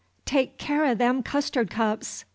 "Take care o' them custard cups!